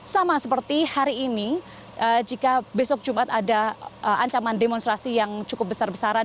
sama seperti hari ini jika besok jumat ada ancaman demonstrasi yang cukup besar besaran